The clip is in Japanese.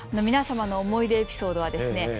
皆様の思い出エピソードはですね